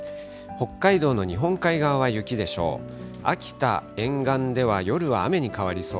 北海道の日本海側は雪でしょう。